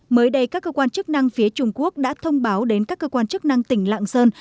mới đây các cơ quan chức năng phía trung quốc đã thông báo đến các cơ quan chức năng tỉnh lạng sơn